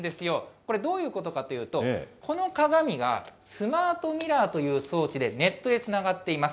これ、どういうことかというと、この鏡が、スマートミラーという装置でネットでつながっています。